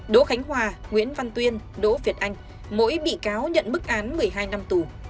đỗ khánh hòa nguyễn văn tuyên đỗ việt anh mỗi bị cáo nhận bức án một mươi hai năm tù